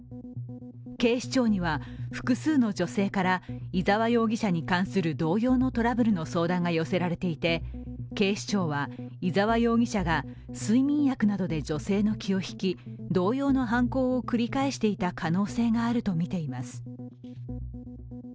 警視庁には、複数の女性から伊沢容疑者に関する同様のトラブルの相談が寄せられていて、警視庁は、伊沢容疑者が睡眠薬などで女性の気を引き同様の犯行を繰り返していた可能性があるとみています。